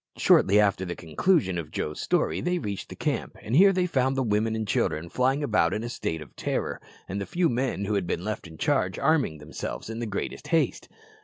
Shortly after the conclusion of Joe's story they reached the camp, and here they found the women and children flying about in a state of terror, and the few men who had been left in charge arming themselves in the greatest haste.